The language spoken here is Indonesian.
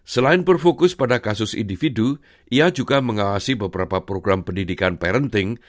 selain berfokus pada kasus individu ia juga mengawasi beberapa program pendidikan parenting